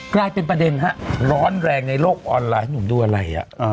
กลายเป็นประเด็นฮะร้อนแรงในโลกออนไลน์หนุ่มดูอะไร